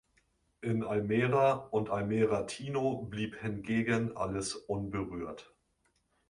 In Almera und Almera Tino blieb hingegen alles unberührt.